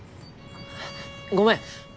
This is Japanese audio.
ごめん。